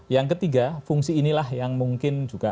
yang ketiga fungsi inilah yang mungkin juga